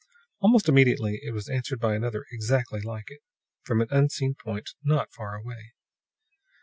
Almost immediately it was answered by another exactly like it, from an unseen point not far away.